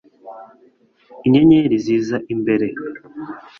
inyenyeri ziza imbere